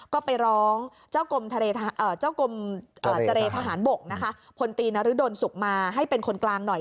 ก็ไปร้องเจ้ากลมทะเลทหารปกติผลตีนรศดลสุกมาให้เป็นคนกลางหน่อย